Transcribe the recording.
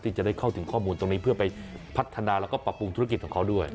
จะได้เข้าถึงข้อมูลตรงนี้เพื่อไปพัฒนาแล้วก็ปรับปรุงธุรกิจของเขาด้วย